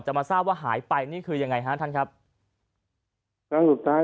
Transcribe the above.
มาทราบว่าหายไปนี่คือยังไงฮะท่านครับแล้วสุดท้าย